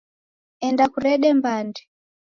Enda kurede mbande